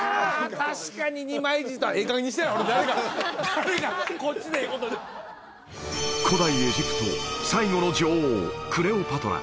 確かに二枚舌ええ加減にしてや誰がこっちでええことに古代エジプト最後の女王クレオパトラ